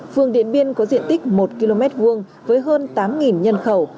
phường điện biên có diện tích một km hai với hơn tám nhân khẩu